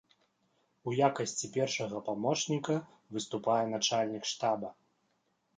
У якасці першага памочніка выступае начальнік штаба.